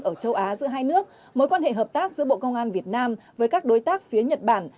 ở châu á giữa hai nước mối quan hệ hợp tác giữa bộ công an việt nam với các đối tác phía nhật bản